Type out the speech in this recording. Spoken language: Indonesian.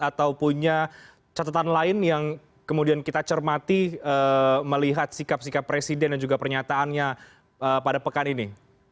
atau punya catatan lain yang kemudian kita cermati melihat sikap sikap presiden dan juga pernyataannya pada pekan ini